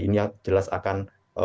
ini jelas akan